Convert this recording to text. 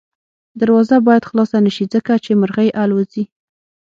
دروازه باید خلاصه نه شي ځکه چې مرغۍ الوځي.